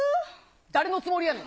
誰のつもりやねん。